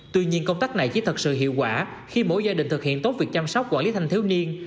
tuy nhiên công tác này chỉ thật sự hiệu quả khi mỗi gia đình thực hiện tốt việc chăm sóc quản lý thanh thiếu niên